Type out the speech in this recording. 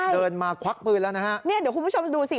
เดินมาควักปืนแล้วนะฮะเนี่ยเดี๋ยวคุณผู้ชมดูสิ